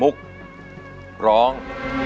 มุกร้อง